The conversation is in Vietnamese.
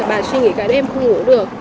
bà suy nghĩ cả đêm không ngủ được